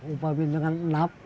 upamin dengan enak